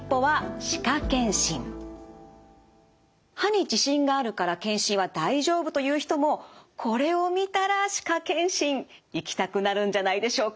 歯に自信があるから健診は大丈夫という人もこれを見たら歯科健診行きたくなるんじゃないでしょうか。